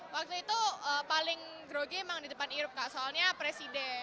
waktu itu paling groge di depan irupkah soalnya presiden